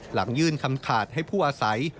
หลังยื่นคำขาดให้ผู้อาศัย